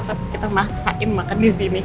tapi kita maksain makan disini